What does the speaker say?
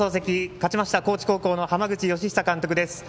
勝ちました高知高校の浜口佳久監督です。